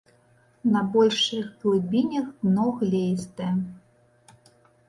На большых глыбінях дно глеістае.